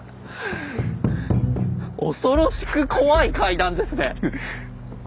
恐ろしく怖い階段ですね。